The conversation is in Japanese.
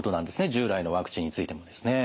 従来のワクチンについてもですね。